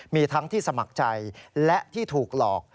มีทั้งที่สมัครใจและที่ถูกหลอก